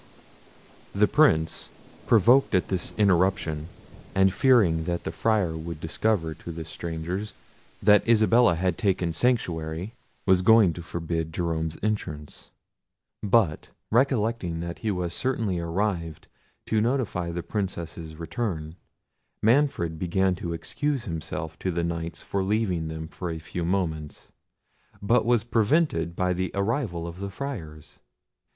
The Prince, provoked at this interruption, and fearing that the Friar would discover to the strangers that Isabella had taken sanctuary, was going to forbid Jerome's entrance. But recollecting that he was certainly arrived to notify the Princess's return, Manfred began to excuse himself to the Knights for leaving them for a few moments, but was prevented by the arrival of the Friars.